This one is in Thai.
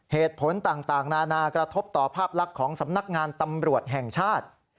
เหตุผลต่างนานากระทบต่อภาพลักษณ์ของสำนักงานตำรวจแห่งชาติ